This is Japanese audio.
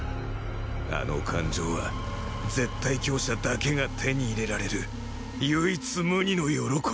あの感情は絶対強者だけが手に入れられる唯一無二の喜びだと